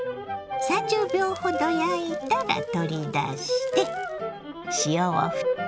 ３０秒ほど焼いたら取り出して塩をふっておきます。